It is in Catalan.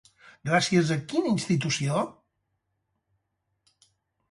Gràcies a quina institució?